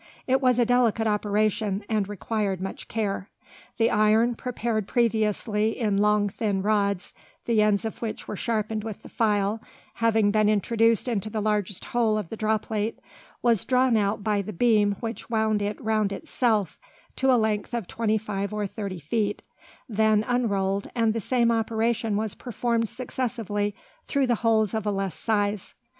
It was a delicate operation, and required much care. The iron, prepared previously in long thin rods, the ends of which were sharpened with the file, having been introduced into the largest hole of the draw plate, was drawn out by the beam which wound it round itself, to a length of twenty five or thirty feet, then unrolled, and the same operation was performed successively through the holes of a less size.